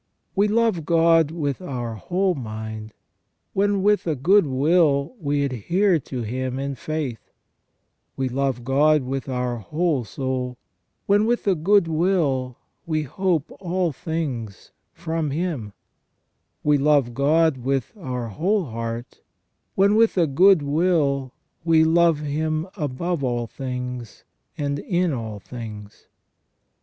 We love God with our WHY MAN IS MADE TO THE IMAGE OF GOD. 39 whole mind when with a good will we adhere to Him in faith ; we love God with our whole soul when with a good will we hope all things from Him; we love God with our whole heart when with a good will we love Him above all things and in all things.